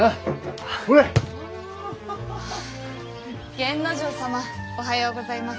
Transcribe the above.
源之丞様おはようございます。